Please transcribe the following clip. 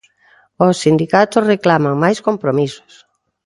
Os sindicatos reclaman máis compromisos.